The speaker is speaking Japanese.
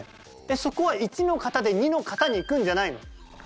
そこは１の型で２の型にいくんじゃないの。